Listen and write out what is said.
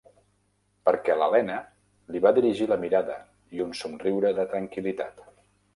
Perquè l'Helena li va dirigir la mirada i un somriure de tranquil·litat.